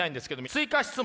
追加質問。